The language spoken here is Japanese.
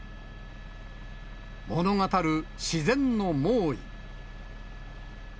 物語る自然の猛威。